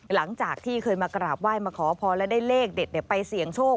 หลังจากที่เคยมากราบไหว้มาขอพรและได้เลขเด็ดไปเสี่ยงโชค